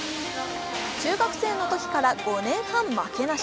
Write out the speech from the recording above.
中学生のときから５年半、負けなし。